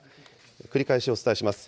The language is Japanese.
繰り返しお伝えします。